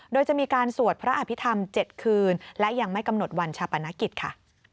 โดยจะมีการสวดพระอภิษฐรรม๗คืนและยังไม่กำหนดวันชาปนกิจค่ะ